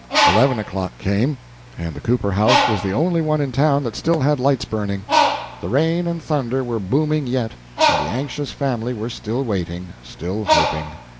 Eleven o'clock came; and the Cooper house was the only one in the town that still had lights burning. The rain and thunder were booming yet, and the anxious family were still waiting, still hoping.